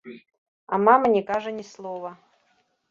А мама не кажа ні слова.